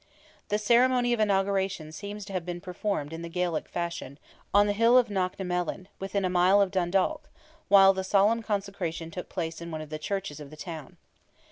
The ceremony of inauguration seems to have been performed in the Gaelic fashion, on the hill of Knocknemelan, within a mile of Dundalk, while the solemn consecration took place in one of the churches of the town.